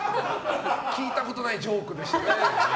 聞いたことないジョークでしたね。